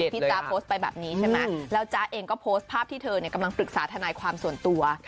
จ๊ะโพสต์ไปแบบนี้ใช่ไหมแล้วจ๊ะเองก็โพสต์ภาพที่เธอกำลังปรึกษาทนายความส่วนตัว